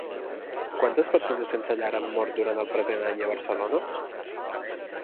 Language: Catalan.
Quantes persones sense llar han mort durant el present any a Barcelona?